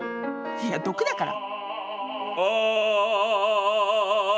いや毒だから！